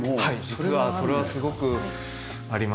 実はそれはすごくありました。